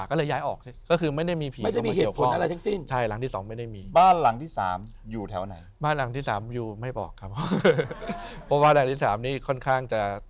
เพราะว่าบ้านหลังที่สามนี้ค่อนข้างจะ